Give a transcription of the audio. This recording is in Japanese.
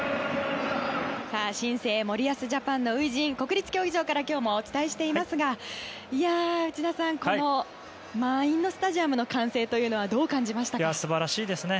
新生森保ジャパンの初陣国立競技場から今日もお伝えしていますがこの満員のスタジアムの歓声というのは素晴らしいですね。